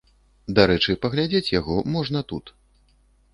Дарэчы, паглядзець яго можна тут.